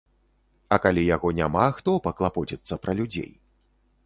А калі яго няма, хто паклапоціцца пра людзей?